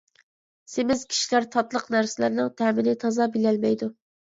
سېمىز كىشىلەر تاتلىق نەرسىلەرنىڭ تەمىنى تازا بىلەلمەيدۇ.